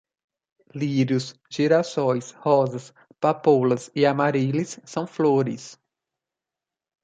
Lírios, girassóis, rosas, papoulas e Amarílis são flores